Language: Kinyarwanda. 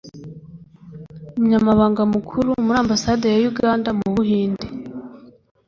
Umunyamabanga Mukuru muri Ambasade ya Uganda mu Buhinde